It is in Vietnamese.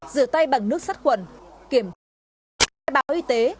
rửa tay bằng nước sắt khuẩn kiểm tra báo y tế